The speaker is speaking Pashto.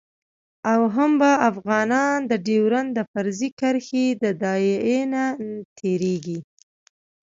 او هم به افغانان د ډیورند د فرضي کرښې د داعیې نه تیریږي